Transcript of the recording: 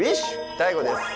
ＤＡＩＧＯです。